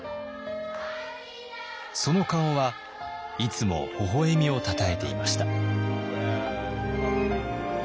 その顔はいつもほほ笑みをたたえていました。